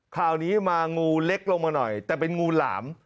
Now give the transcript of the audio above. คราวนี้มางูเล็กลงมาหน่อยแต่เป็นงูหลาม